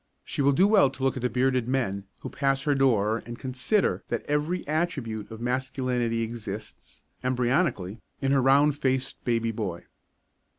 She will do well to look at the bearded men who pass her door and consider that every attribute of masculinity exists, embryonically, in her round faced baby boy.